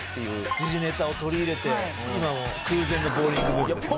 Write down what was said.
時事ネタを取り入れて今はもう空前のボウリングブームですよね。